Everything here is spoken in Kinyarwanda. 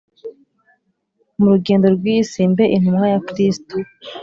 Mu rugendo rw'iyi si, Mbe intumwa ya Krisito,